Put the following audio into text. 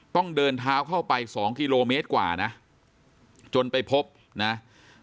ต้องเดินเท้าเข้าไป๒กิโลเมตรกว่านะจนไปพบนะ